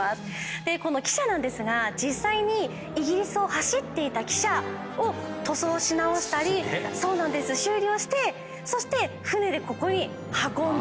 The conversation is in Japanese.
この汽車なんですが実際にイギリスを走っていた汽車を塗装し直したり修理をしてそして船でここに運んでおります。